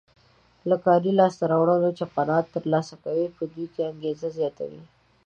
له کاري لاسته راوړنو چې قناعت ترلاسه کوي په دوی کې انګېزه زیاتوي.